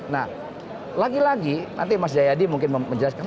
nah lagi lagi nanti mas jayadi mungkin menjelaskan